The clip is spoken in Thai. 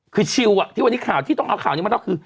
คือชิลว์วันนี้ข่าวที่ต้องเอาข่าวนี้มาบอก